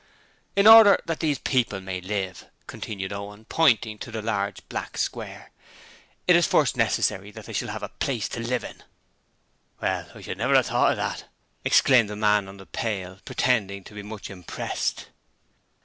'In order that these people may live,' continued Owen, pointing to the large black square, 'it is first necessary that they shall have a PLACE to live in ' 'Well! I should never a thought it!' exclaimed the man on the pail, pretending to be much impressed.